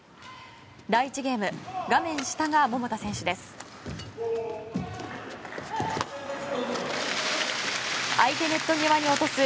第１ゲーム画面下が桃田選手です。